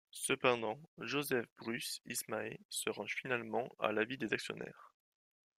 Cependant, Joseph Bruce Ismay se range finalement à l'avis des actionnaires.